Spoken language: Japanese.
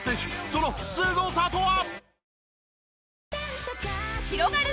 そのすごさとは？